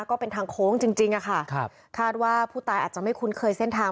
ก็เป็นทางโค้งจริงจริงอะค่ะครับคาดว่าผู้ตายอาจจะไม่คุ้นเคยเส้นทาง